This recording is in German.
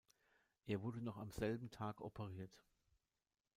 Er wurde noch am selben Tag operiert.